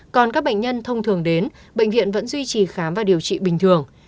còn các bệnh nhân thông thường đến bệnh viện vẫn duy trì khám và điều trị bình thường